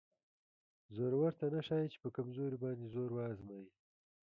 زورور ته نه ښایي چې په کمزوري باندې زور وازمایي.